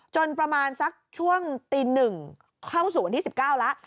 ประมาณสักช่วงตี๑เข้าสู่วันที่๑๙แล้ว